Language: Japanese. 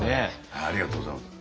ありがとうございます。